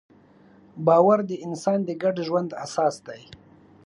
باور د انسان د ګډ ژوند اساس دی.